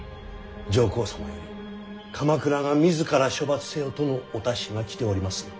上皇様より鎌倉が自ら処罰せよとのお達しが来ておりますが。